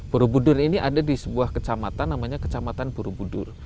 borobudur ini ada di sebuah kecamatan namanya kecamatan borobudur